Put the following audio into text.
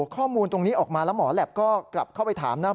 ข้อมูลตรงนี้ออกมาแล้วหมอแหลปก็กลับเข้าไปถามนะ